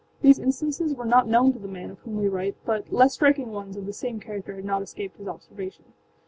These instances were not known to the man of whom we write, but less striking ones of the same character had not escaped his observation.